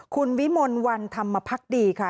คุณวิมลวันธรรมพักดีค่ะ